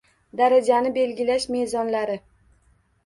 Darajani belgilash me’zonlari